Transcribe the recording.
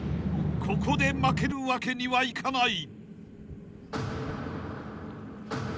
［ここで負けるわけにはいかない］